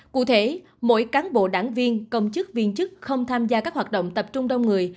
cụ thể mỗi cán bộ đảng viên công chức viên chức không tham gia các hoạt động tập trung đông người